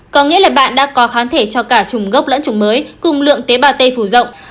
có nghĩa là bạn đã có kháng thể cho cả trùng gốc lẫn trùng mới cùng lượng tế bào tây phủ rộng